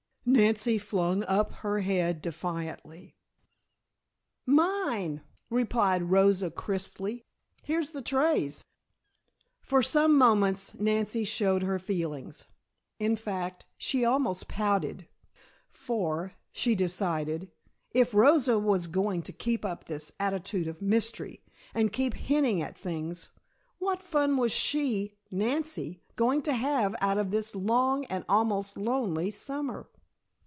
Nancy flung up her head defiantly. "Mine," replied Rosa crisply. "Here's the trays." For some moments Nancy showed her feelings, in fact, she almost pouted, for, she decided, if Rosa was going to keep up this attitude of mystery, and keep hinting at things, what fun was she, Nancy, going to have out of this long and almost lonely summer?